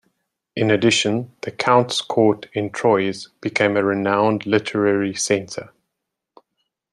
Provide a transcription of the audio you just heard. In addition, the count's court in Troyes became a renowned literary center.